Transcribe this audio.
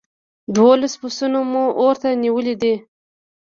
دوولس پسونه مو اور ته نيولي دي.